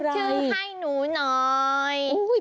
ตั้งชื่อให้หนูหน่อย